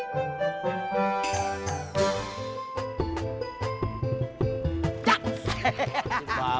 sama kak jlan